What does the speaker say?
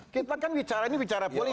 kita kan bicara ini bicara politik